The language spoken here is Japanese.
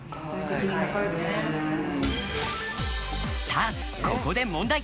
さあ、ここで問題！